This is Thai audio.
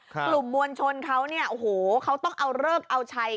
กลุ่มมวลชนเขาเนี่ยโอ้โหเขาต้องเอาเลิกเอาชัย